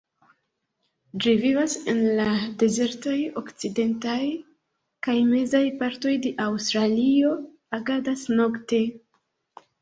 Ĝi vivas en la dezertaj okcidentaj kaj mezaj partoj de Aŭstralio, agadas nokte.